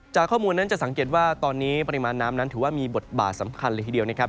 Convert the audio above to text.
ข้อมูลนั้นจะสังเกตว่าตอนนี้ปริมาณน้ำนั้นถือว่ามีบทบาทสำคัญเลยทีเดียวนะครับ